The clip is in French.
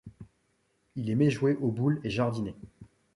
Il aimait jouer aux boules et jardiner.